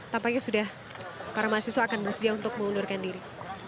tampaknya sudah para mahasiswa akan bersedia untuk mengundurkan diri